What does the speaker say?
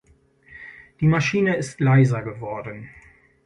Die Maschine ist leiser geworden.